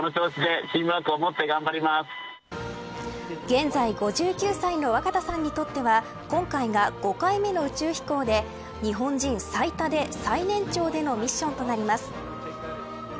現在５９歳の若田さんにとっては今回が５回目の宇宙飛行で日本人最多で最年長のミッションとなります。